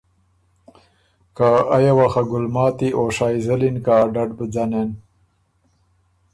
که ایه وه خه ګلماتی او شائزل اِن که ا ډډ بُو ځنېن